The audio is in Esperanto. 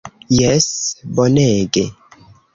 Jes! Bonege.